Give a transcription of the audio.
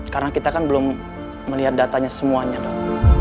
karena kita kan belum melihat datanya semuanya dok